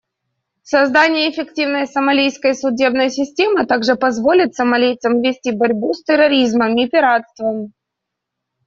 Создание эффективной сомалийской судебной системы также позволит сомалийцам вести борьбу с терроризмом и пиратством.